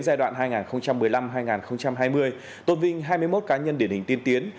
giai đoạn hai nghìn một mươi năm hai nghìn hai mươi tôn vinh hai mươi một cá nhân điển hình tiên tiến